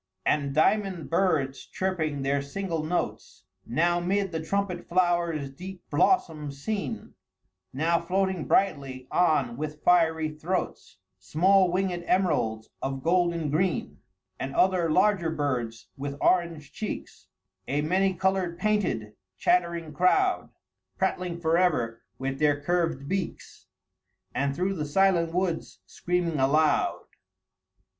"And diamond birds chirping their single notes, Now 'mid the trumpet flower's deep blossoms seen, Now floating brightly on with fiery throats Small winged emeralds of golden green; And other larger birds with orange cheeks, A many color painted, chattering crowd, Prattling forever with their curved beaks, And through the silent woods screaming aloud."